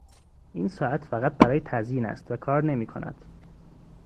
این ساعت فقط برای تزیین است و کار نمیکند.